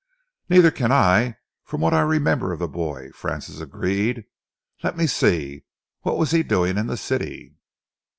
"Neither can I, from what I remember of the boy," Francis agreed. "Let me see, what was he doing in the City?"